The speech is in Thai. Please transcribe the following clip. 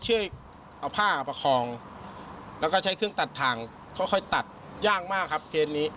ช่วยเอาผ้าประคองแล้วก็ใช้เครื่องตัดทางค่อยตัดยากมากครับเคสนี้